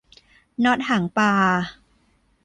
น็อตหางปลา